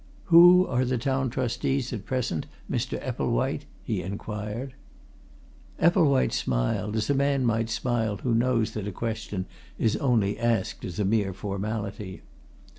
"Who are the Town Trustees at present, Mr. Epplewhite?" he inquired. Epplewhite smiled, as a man might smile who knows that a question is only asked as a mere formality.